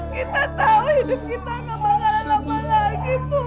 kita tahu hidup kita gak bakalan lama lagi bu